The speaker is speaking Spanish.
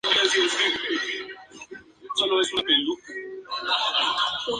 Participa en las ediciones de los Juegos de las Islas.